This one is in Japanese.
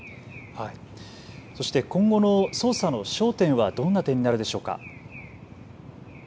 そして今後の捜査の焦点はどんな点になるでしょうか。